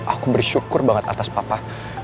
aku bersyukur banget atas papa